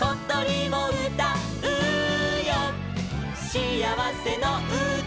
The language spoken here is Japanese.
「しあわせのうた」